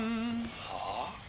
「はあ？」。